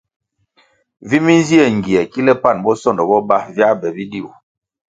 Vi minzie ngie kile pan bosondo bo ba viā be bidiu.